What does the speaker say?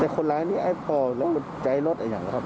คนรายนี่ได้พอทั้งไกลรถอยู่ไหนครับ